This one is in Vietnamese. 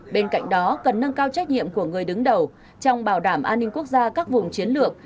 bên cạnh đó cần nâng cao trách nhiệm của người đứng đầu trong bảo đảm an ninh quốc gia các vùng chiến lược